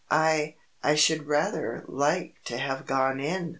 "I I should rather like to have gone in!"